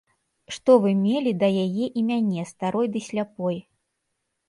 Што вы мелі да яе і мяне, старой ды сляпой?